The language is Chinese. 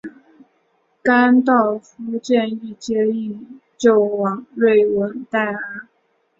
甘道夫建议接应救往瑞文戴尔。